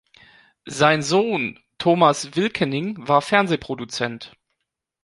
Sein Sohn Thomas Wilkening war Fernsehproduzent.